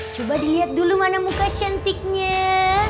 coba diliat dulu mana muka shantyiknya